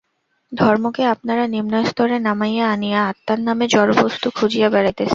ধর্মকে আপনারা নিম্নস্তরে নামাইয়া আনিয়া আত্মার নামে জড়বস্তু খুঁজিয়া বেড়াইতেছেন।